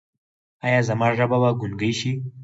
ایا زما ژبه به ګونګۍ شي؟